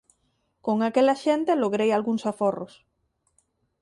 Con aquela xente logrei algúns aforros.